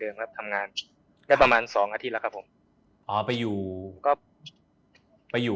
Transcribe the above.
ครับทำงานได้ประมาณสองอาทิตย์แล้วครับผมอ๋อไปอยู่ก็ไปอยู่